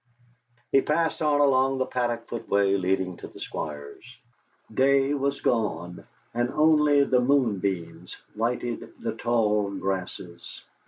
He passed on along the paddock footway leading to the Squire's. Day was gone, and only the moonbeams lighted the tall grasses.